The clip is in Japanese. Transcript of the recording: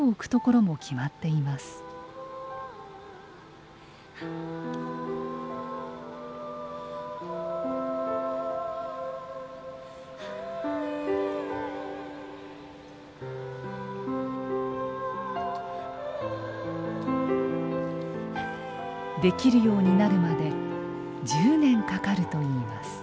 できるようになるまで１０年かかるといいます。